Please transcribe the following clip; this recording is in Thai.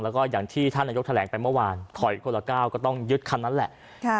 แล้วก็อย่างที่ท่านนายกแถลงไปเมื่อวานถอยคนละก้าวก็ต้องยึดคันนั้นแหละ